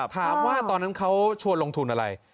ถามว่าตอนนั้นเขาชวนลงทุนอะไร